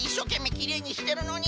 きれいにしてるのに！